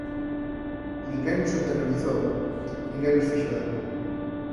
Ninguén nos aterrorizou; ninguén nos fixo dano.